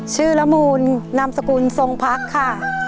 ละมูลนามสกุลทรงพักค่ะ